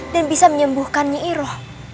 dan bisa menyembuhkan nyiro